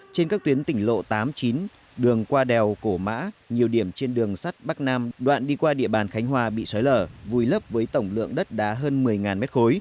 trên các tuyến tỉnh lộ tám mươi chín đường qua đèo cổ mã nhiều điểm trên đường sắt bắc nam đoạn đi qua địa bàn khánh hòa bị sói lở vùi lấp với tổng lượng đất đá hơn một mươi m ba